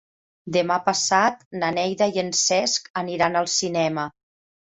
Demà passat na Neida i en Cesc aniran al cinema.